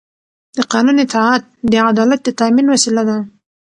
د قانون اطاعت د عدالت د تأمین وسیله ده